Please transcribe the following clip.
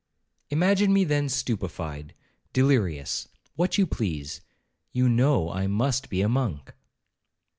'Imagine me, then, stupefied, delirious—what you please—you know I must be a monk.'